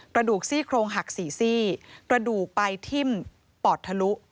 กระดูกซี่โครงหัก๔ซี่กระดูกไปทิ้มปอดทะลุ